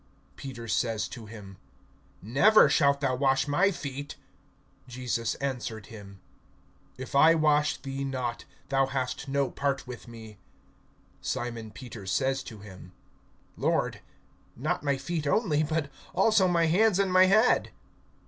(8)Peter says to him: Never shalt thou wash my feet. Jesus answered him: If I wash thee not, thou hast no part with me. (9)Simon Peter says to him: Lord, not my feet only, but also my hands and my head.